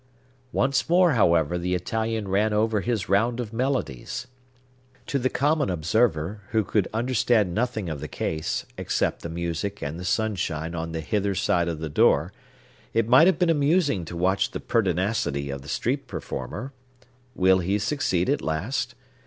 Once more, however, the Italian ran over his round of melodies. To the common observer—who could understand nothing of the case, except the music and the sunshine on the hither side of the door—it might have been amusing to watch the pertinacity of the street performer. Will he succeed at last?